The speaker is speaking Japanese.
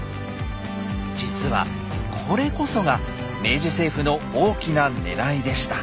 実はこれこそが明治政府の大きなねらいでした。